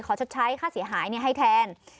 ชดใช้ค่าเสียหายให้แทน